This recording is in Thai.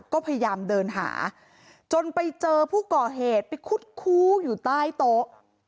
ก็พยายามเดินหาจนไปเจอผู้ก่อเหตุไปคุดคู้อยู่ใต้โต๊ะ